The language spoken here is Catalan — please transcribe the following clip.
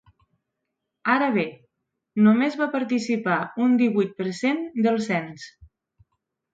Ara bé, només va participar un divuit per cent del cens.